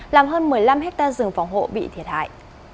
làm hơn một mươi năm hectare rừng phòng hộ bị thiệt hại